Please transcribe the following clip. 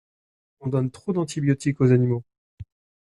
On donne trop d'antibiotiques aux animaux.